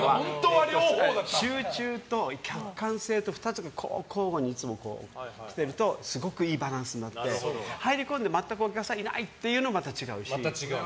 集中と客観性と２つが交互にいつも来てるとすごくいいバランスになって入り込んで全くお客さんいないっていうのはまた違うし。